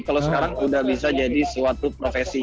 kalau sekarang sudah bisa jadi suatu profesi